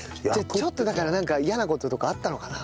ちょっとだからなんか嫌な事とかあったのかな？